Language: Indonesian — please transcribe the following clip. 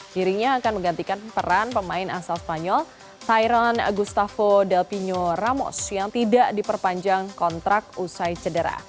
dirinya akan menggantikan peran pemain asal spanyol tyron gustavo delpino ramos yang tidak diperpanjang kontrak usai cedera